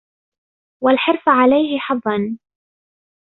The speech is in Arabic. وَالْحِرْصَ عَلَيْهِ حَظًّا